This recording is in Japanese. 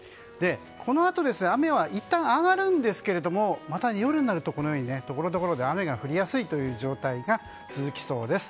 このあと雨はいったん上がるんですがまた夜になるとところどころで雨が降りやすい状態が続きそうです。